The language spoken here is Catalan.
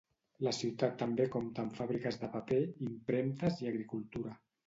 La ciutat també compta amb fàbriques de paper, impremtes i agricultura.